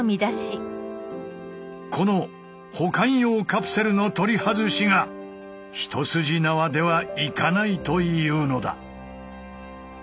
この保管用カプセルの取り外しが一筋縄ではいかないというのだ。